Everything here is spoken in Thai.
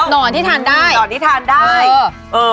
หนอนที่ทานได้